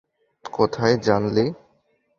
কোথায় জানলি?